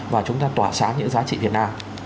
và chúng ta tỏa sáng những giá trị việt nam